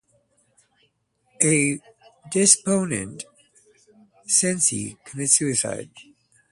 A despondent Cenci commits suicide.